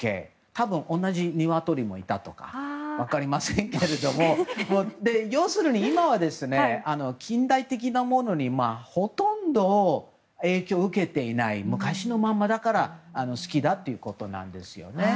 多分、同じニワトリもいたとか分かりませんけども要するに今は、近代的なものにほとんど影響を受けていない昔のままだから好きだということですよね。